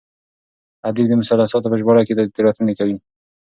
ادیب د مثلثاتو په ژباړه کې تېروتنې کوي.